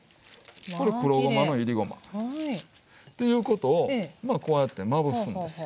これ黒ごまの煎りごま。っていうことをこうやってまぶすんですよ。